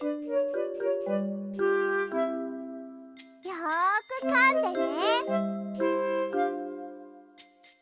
よくかんでね！